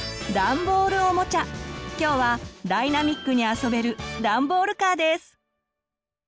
今日はダイナミックに遊べる「ダンボールカー」です。